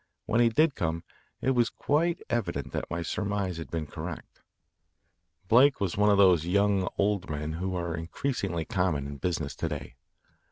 When he did come, it was quite evident that my surmise had been correct. Blake was one of those young old men who are increasingly common in business to day.